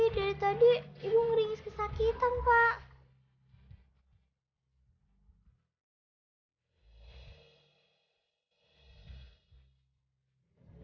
dari tadi ibu meringis kesakitan pak